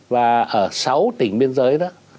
và ở sáu tỉnh biên giới đó